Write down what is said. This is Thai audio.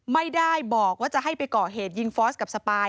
ไม่ได้บอกว่าจะให้ไปก่อเหตุยิงฟอสกับสปาย